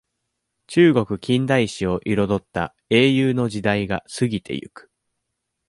中国近代史をいろどった、英雄の時代が過ぎてゆく。